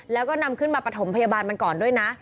แล้วก็นำขึ้นมาประถมพยาบาลมันก่อนด้วยนะ